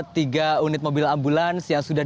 tiga unit mobil ambulans yang sudah